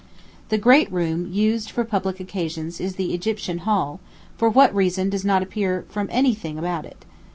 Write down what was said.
The great room used for public occasions is the Egyptian Hall, for what reason does not appear from any thing about it.